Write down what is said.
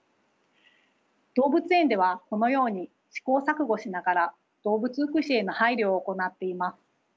動物園ではこのように試行錯誤しながら動物福祉への配慮を行っています。